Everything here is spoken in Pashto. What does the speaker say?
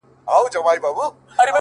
دا ستا ښكلا ته شعر ليكم _